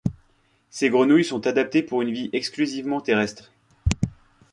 Ces grenouilles sont adaptées pour une vie exclusivement terrestre.